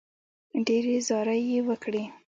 ډېرې زارۍ یې وکړې.